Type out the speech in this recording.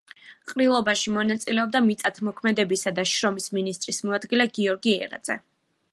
ყრილობაში მონაწილეობდა მიწათმოქმედებისა და შრომის მინისტრის მოადგილე გიორგი ერაძე.